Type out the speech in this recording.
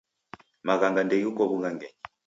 Maghanga ndeghiko w'ughangenyi.